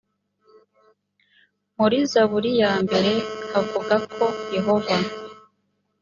muri zaburi ya mbere havuga ko yehova